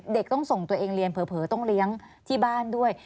ต้องส่งตัวเองเรียนเผลอต้องเลี้ยงที่บ้านด้วย